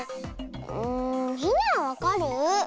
うんみんなはわかる？